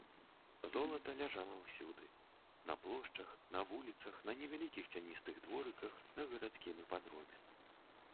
Золата ляжала ўсюды: на плошчах, на вуліцах, на невялікіх цяністых дворыках, на гарадскім іпадроме.